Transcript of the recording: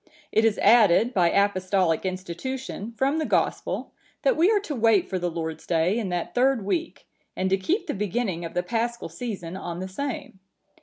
It is added, by Apostolic institution, from the Gospel, that we are to wait for the Lord's day in that third week, and to keep the beginning of the Paschal season on the same.